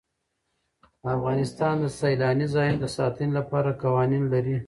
افغانستان د سیلانی ځایونه د ساتنې لپاره قوانین لري.